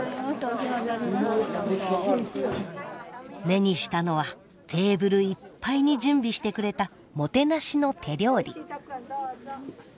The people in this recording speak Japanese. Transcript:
目にしたのはテーブルいっぱいに準備してくれたもてなしの手料理。